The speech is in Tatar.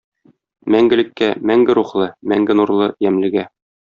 Мәңгелеккә - мәңге рухлы, мәңге нурлы ямьлегә!